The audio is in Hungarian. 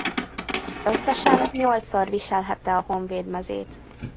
Összesen nyolcszor viselhette a honvéd mezét.